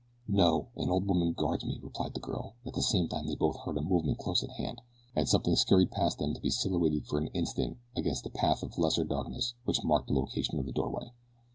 "No, an old woman guards me," replied the girl, and at the same time they both heard a movement close at hand, and something scurried past them to be silhouetted for an instant against the path of lesser darkness which marked the location of the doorway.